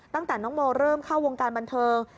ตั้งแต่น้องโมเริ่มเข้าวงการบันเทิง